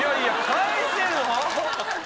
返してんの！？